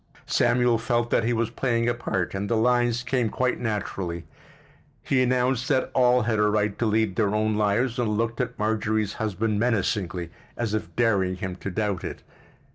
Samuel felt that he was playing a part and the lines came quite naturally: he announced that all had a right to lead their own lives and looked at Marjorie's husband menacingly, as if daring him to doubt it.